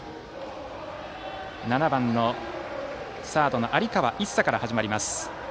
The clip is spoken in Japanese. ７番サード、有川壱瑳から始まります。